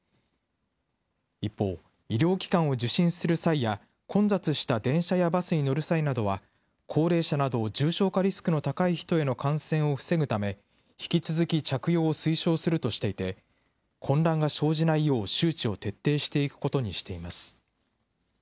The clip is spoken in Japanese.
一方、医療機関を受診する際や、混雑した電車やバスに乗る際には、高齢者など、重症化リスクの高い人への感染を防ぐため、引き続き着用を推奨するとしていて、混乱が生じないよう、周知を徹底していくことにしています。